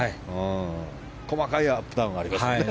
細かいアップダウンがありますね。